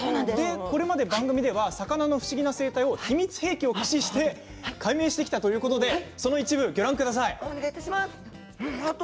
これまで番組では魚の不思議な生態を秘密兵器を駆使して解明してきたということでその一部をギョ覧ください。